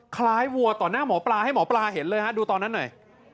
วัวต่อหน้าหมอปลาให้หมอปลาเห็นเลยฮะดูตอนนั้นหน่อย